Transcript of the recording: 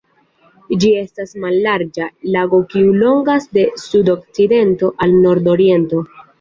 Ĝi estas mallarĝa lago kiu longas de sudokcidento al nordoriento.